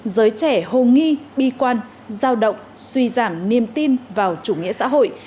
giới trẻ hồ nghi bi quan giao động suy giảm niềm tin vào chủ nghĩa xã hội